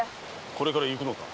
これから行くのか？